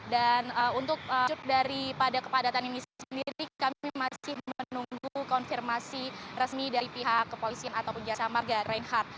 dan untuk menunjukkan pada kepadatan ini sendiri kami masih menunggu konfirmasi resmi dari pihak kepolisian atau jasa marga reinhardt